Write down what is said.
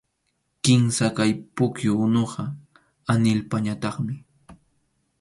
Kimsa kaq pukyu unuqa Anhilpañataqmi.